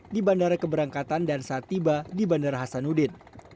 di bandara keberangkatan dan saat tiba di bandara hasanuddin